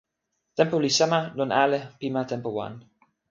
tenpo li sama lon ale pi ma tenpo wan.